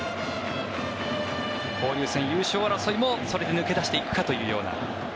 交流戦優勝争いもそれで抜け出していくかというような。